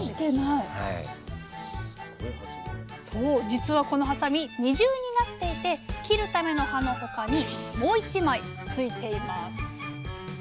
じつはこのはさみ二重になっていて切るための刃のほかにもう１枚ついています。